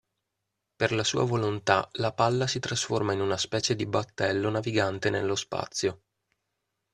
Per la sua volontà la palla si trasforma in una specie di battello navigante nello spazio.